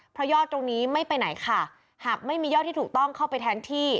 เพราะยอดตรงนี้ไม่ไปไหนค่ะหากไม่มียอดที่ถูกต้องเข้าไปแทนที่